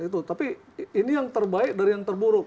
tapi ini yang terbaik dari yang terburuk